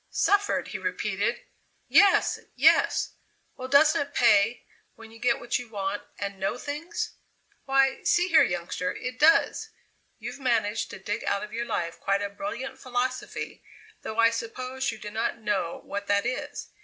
"Suffered!" he repeated. "Yes! yes!" "Well, doesn't it pay when you get what you want and know things?" "Why, see here, youngster it does! You've managed to dig out of your life quite a brilliant philosophy, though I suppose you do not know what that is.